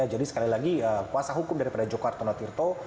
jadi sekali lagi kuasa hukum daripada joko hartono tirto